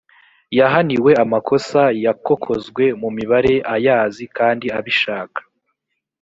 yahaniwe amakosa yakokozwe mu mibare ayazi kandi abishaka